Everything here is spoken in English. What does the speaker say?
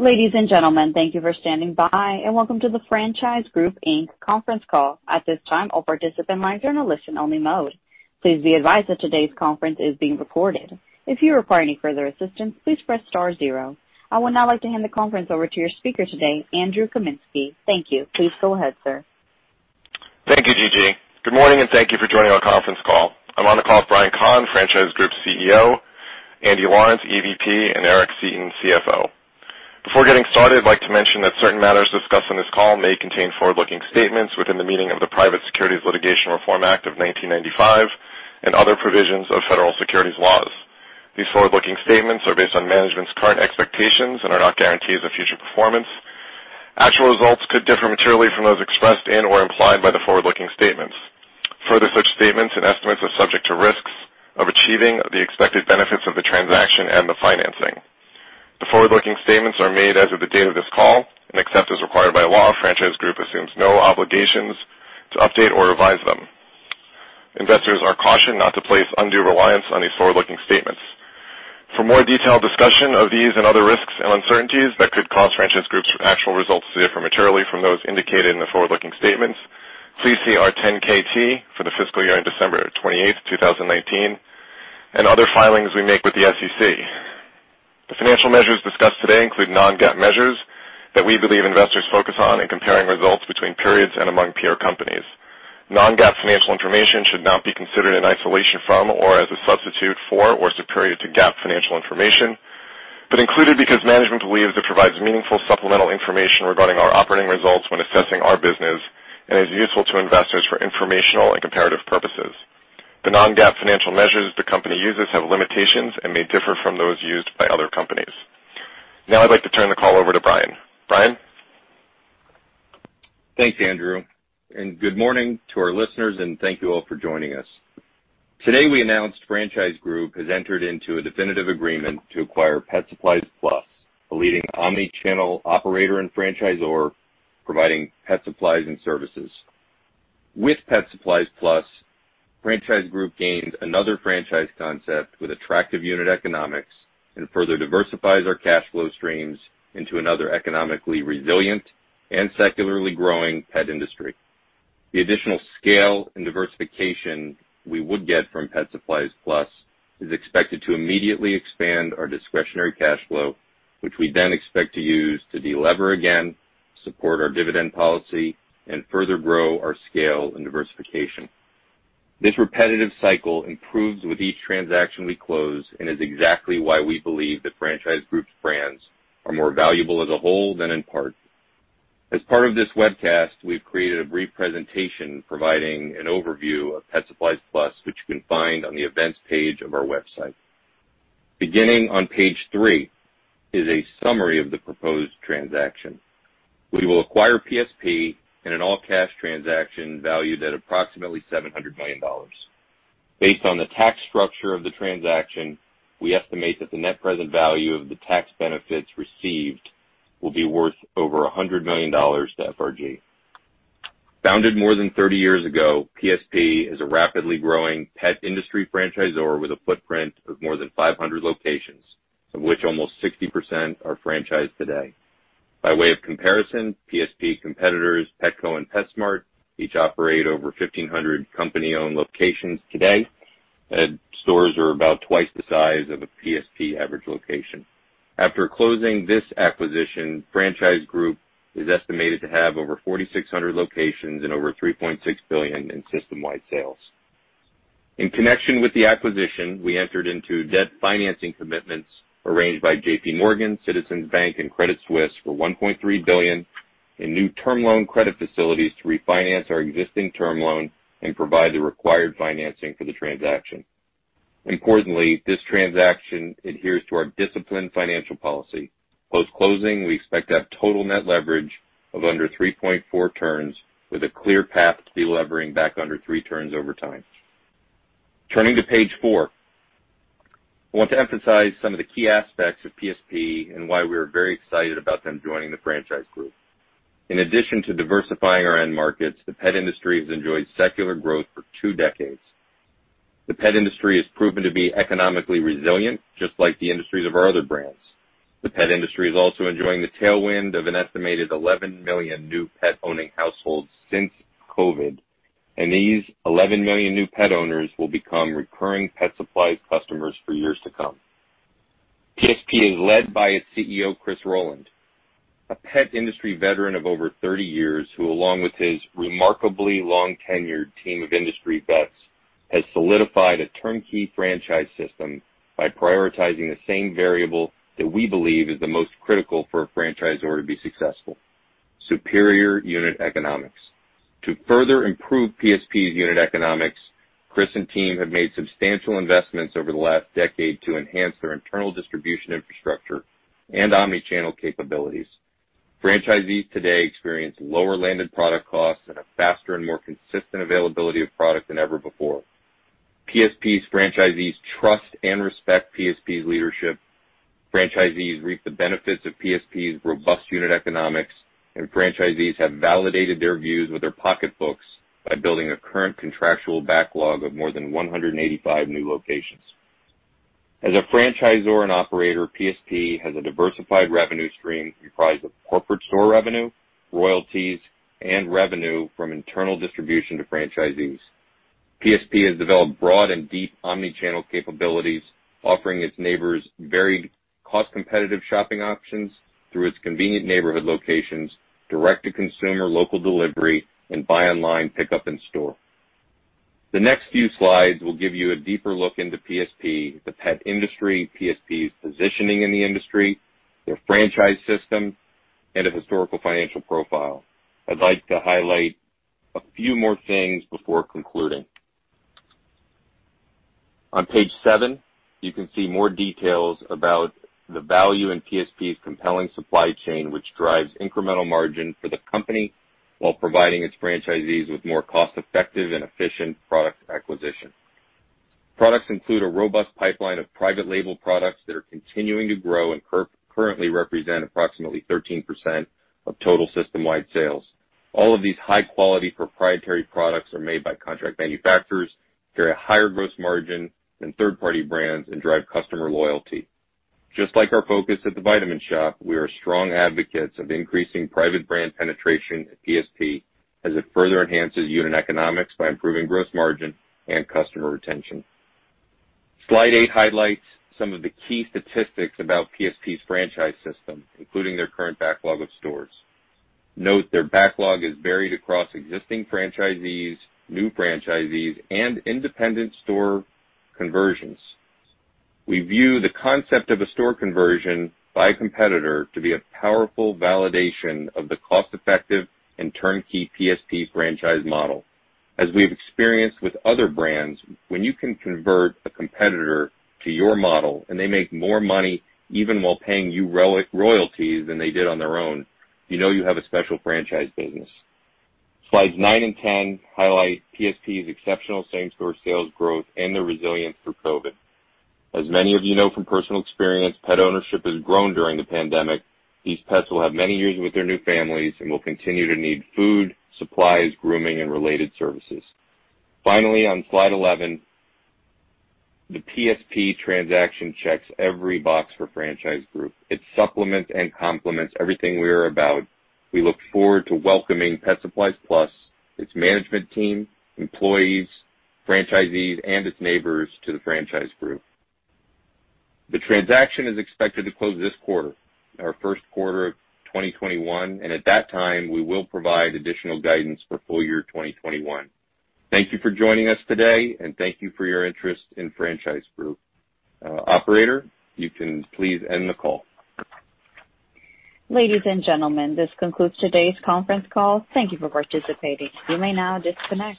Ladies and gentlemen, thank you for standing by and welcome to the Franchise Group, Inc. conference call. At this time, all participants are in a listen-only mode. Please be advised that today's conference is being recorded. If you require any further assistance, please press star zero. I would now like to hand the conference over to your speaker today, Andrew Kaminsky. Thank you. Please go ahead, sir. Thank you, Gigi. Good morning, and thank you for joining our conference call. I'm on the call with Brian Kahn, Franchise Group's CEO, Andy Laurence, EVP, and Eric Seeton, CFO. Before getting started, I'd like to mention that certain matters discussed on this call may contain forward-looking statements within the meaning of the Private Securities Litigation Reform Act of 1995 and other provisions of federal securities laws. These forward-looking statements are based on management's current expectations and are not guarantees of future performance. Actual results could differ materially from those expressed in or implied by the forward-looking statements. Further, such statements and estimates are subject to risks of achieving the expected benefits of the transaction and the financing. The forward-looking statements are made as of the date of this call, and except as required by law, Franchise Group assumes no obligations to update or revise them. Investors are cautioned not to place undue reliance on these forward-looking statements. For more detailed discussion of these and other risks and uncertainties that could cause Franchise Group's actual results to differ materially from those indicated in the forward-looking statements, please see our 10-KT for the fiscal year ending December 28th, 2019, and other filings we make with the SEC. The financial measures discussed today include non-GAAP measures that we believe investors focus on in comparing results between periods and among peer companies. Non-GAAP financial information should not be considered in isolation from or as a substitute for or superior to GAAP financial information, but included because management believes it provides meaningful supplemental information regarding our operating results when assessing our business and is useful to investors for informational and comparative purposes. The non-GAAP financial measures the company uses have limitations and may differ from those used by other companies. Now I'd like to turn the call over to Brian. Brian? Thanks, Andrew, good morning to our listeners, and thank you all for joining us. Today, we announced Franchise Group has entered into a definitive agreement to acquire Pet Supplies Plus, a leading omni-channel operator and franchisor providing pet supplies and services. With Pet Supplies Plus, Franchise Group gains another franchise concept with attractive unit economics and further diversifies our cash flow streams into another economically resilient and secularly growing pet industry. The additional scale and diversification we would get from Pet Supplies Plus is expected to immediately expand our discretionary cash flow, which we then expect to use to de-lever again, support our dividend policy, and further grow our scale and diversification. This repetitive cycle improves with each transaction we close and is exactly why we believe that Franchise Group's brands are more valuable as a whole than in part. As part of this webcast, we've created a brief presentation providing an overview of Pet Supplies Plus, which you can find on the Events page of our website. Beginning on page three is a summary of the proposed transaction. We will acquire PSP in an all-cash transaction valued at approximately $700 million. Based on the tax structure of the transaction, we estimate that the net present value of the tax benefits received will be worth over $100 million to FRG. Founded more than 30 years ago, PSP is a rapidly growing pet industry franchisor with a footprint of more than 500 locations, of which almost 60% are franchised today. By way of comparison, PSP competitors Petco and PetSmart each operate over 1,500 company-owned locations today. Said stores are about twice the size of a PSP average location. After closing this acquisition, Franchise Group is estimated to have over 4,600 locations and over $3.6 billion in system-wide sales. In connection with the acquisition, we entered into debt financing commitments arranged by JPMorgan, Citizens Bank, and Credit Suisse for $1.3 billion in new term loan credit facilities to refinance our existing term loan and provide the required financing for the transaction. Importantly, this transaction adheres to our disciplined financial policy. Post-closing, we expect to have total net leverage of under 3.4 turns, with a clear path to de-levering back under three turns over time. Turning to page four, I want to emphasize some of the key aspects of PSP and why we are very excited about them joining the Franchise Group. In addition to diversifying our end markets, the pet industry has enjoyed secular growth for two decades. The pet industry has proven to be economically resilient, just like the industries of our other brands. The pet industry is also enjoying the tailwind of an estimated 11 million new pet-owning households since COVID, and these 11 million new pet owners will become recurring Pet Supplies Plus customers for years to come. PSP is led by its CEO, Chris Rowland, a pet industry veteran of over 30 years, who along with his remarkably long-tenured team of industry vets, has solidified a turnkey franchise system by prioritizing the same variable that we believe is the most critical for a franchisor to be successful, superior unit economics. To further improve PSP's unit economics, Chris and team have made substantial investments over the last decade to enhance their internal distribution infrastructure and omni-channel capabilities. Franchisees today experience lower landed product costs and a faster and more consistent availability of product than ever before. PSP's franchisees trust and respect PSP's leadership. Franchisees reap the benefits of PSP's robust unit economics. Franchisees have validated their views with their pocketbooks by building a current contractual backlog of more than 185 new locations. As a franchisor and operator, PSP has a diversified revenue stream comprised of corporate store revenue, royalties, and revenue from internal distribution to franchisees. PSP has developed broad and deep omni-channel capabilities, offering its neighbors varied cost-competitive shopping options through its convenient neighborhood locations, direct-to-consumer local delivery, and buy online pickup in store. The next few slides will give you a deeper look into PSP, the pet industry, PSP's positioning in the industry, their franchise system, and a historical financial profile. I'd like to highlight a few more things before concluding. On page seven, you can see more details about the value in PSP's compelling supply chain, which drives incremental margin for the company while providing its franchisees with more cost-effective and efficient product acquisition. Products include a robust pipeline of private label products that are continuing to grow and currently represent approximately 13% of total system-wide sales. All of these high-quality proprietary products are made by contract manufacturers, carry a higher gross margin than third-party brands, and drive customer loyalty. Just like our focus at The Vitamin Shoppe, we are strong advocates of increasing private brand penetration at PSP as it further enhances unit economics by improving gross margin and customer retention. Slide eight highlights some of the key statistics about PSP's franchise system, including their current backlog of stores. Note their backlog is varied across existing franchisees, new franchisees, and independent store conversions. We view the concept of a store conversion by a competitor to be a powerful validation of the cost-effective and turnkey PSP franchise model. As we've experienced with other brands, when you can convert a competitor to your model and they make more money, even while paying you royalties, than they did on their own, you know you have a special franchise business. Slides nine and 10 highlight PSP's exceptional same-store sales growth and their resilience through COVID. As many of you know from personal experience, pet ownership has grown during the pandemic. These pets will have many years with their new families and will continue to need food, supplies, grooming, and related services. Finally, on slide 11, the PSP transaction checks every box for Franchise Group. It supplements and complements everything we are about. We look forward to welcoming Pet Supplies Plus, its management team, employees, franchisees, and its neighbors to the Franchise Group. The transaction is expected to close this quarter, our first quarter of 2021, and at that time, we will provide additional guidance for full year 2021. Thank you for joining us today, and thank you for your interest in Franchise Group. Operator, you can please end the call. Ladies and gentlemen, this concludes today's conference call. Thank you for participating. You may now disconnect.